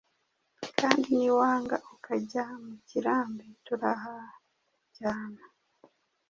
kandi niwanga ukajya mu kirambi turahajyana».